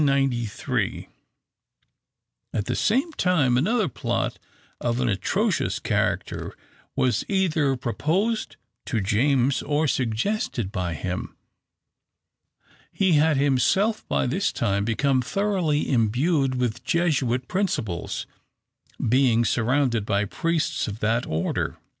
At the same time, another plot of an atrocious character was either proposed to James or suggested by him. He had himself, by this time, become thoroughly imbued with Jesuit principles, being surrounded by priests of that order.